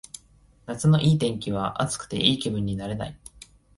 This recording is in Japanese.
夏のいい天気は暑くていい気分になれない